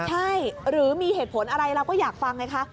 ใช่หรือมีเหตุผลอะไรเราก็อยากฟังไงคะ